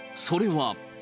それは。